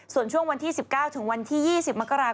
ส่วนช่วงวันที่๑๙ถึงวันที่๒๐มกราค